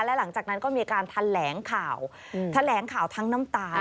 และหลังจากนั้นก็มีการแถลงข่าวแถลงข่าวทั้งน้ำตา